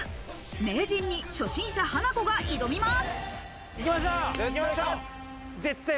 名人に初心者ハナコが挑みます。